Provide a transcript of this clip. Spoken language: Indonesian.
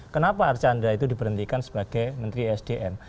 kenapa archandra itu diberhentikan sebagai menteri sdm